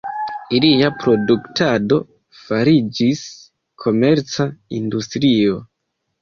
Ilia produktado fariĝis komerca industrio.